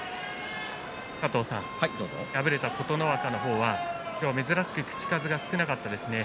敗れた琴ノ若の方は珍しく口かずが少なかったですね。